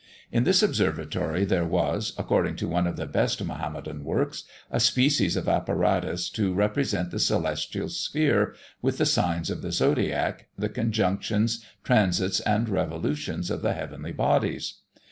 In this observatory there was, according to one of the best Mahomedan works, a species of apparatus to represent the celestial sphere, with the signs of the zodiac, the conjunctions, transits, and revolutions of the heavenly bodies.